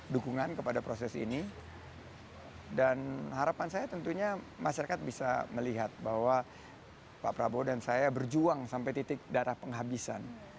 dukungan kepada proses ini dan harapan saya tentunya masyarakat bisa melihat bahwa pak prabowo dan saya berjuang sampai titik darah penghabisan